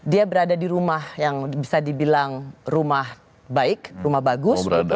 dia berada di rumah yang bisa dibilang rumah baik rumah bagus